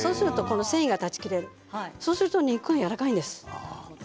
繊維を断ち切る、そうすると肉がやわらかいんです。